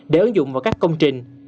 để ứng dụng vào các công trình